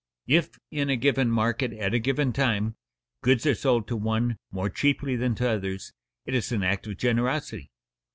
If, in a given market at a given time, goods are sold to one more cheaply than to others, it is an act of generosity.